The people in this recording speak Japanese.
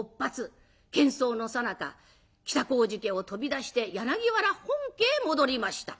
けん騒のさなか北小路家を飛び出して柳原本家へ戻りました。